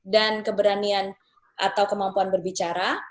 dan keberanian atau kemampuan berbicara